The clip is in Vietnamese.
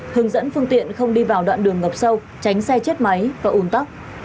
hướng dẫn phương tiện không đi vào đoạn đường ngập sâu tránh xe chết máy và ủn tắc